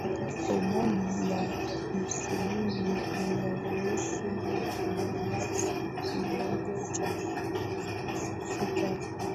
homoni ya insulini inaruhusu na kubalansi kiwango cha sukari